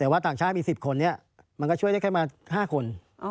แต่ว่าต่างชาติมี๑๐คนนี้มันก็ช่วยได้แค่มา๕คน